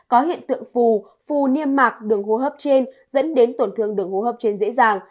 có hiện tượng phù niêm mạc đường hô hấp trên dẫn đến tổn thương đường hô hấp trên dễ dàng